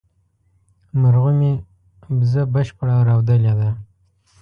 مرغومي، وزه بشپړه رودلې ده